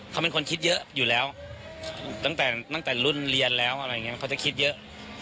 เขาเป็นคนคิดเยอะอยู่แล้วตั้งแต่รุ่นเรียนแล้วเขาจะคิดเยอะ